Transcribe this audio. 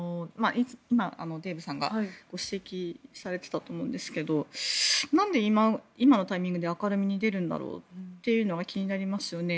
今、デーブさんがご指摘されていたと思うんですけどなんで今のタイミングで明るみに出るんだろうというのが気になりますよね。